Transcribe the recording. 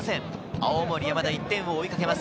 青森山田１点を追い掛けます。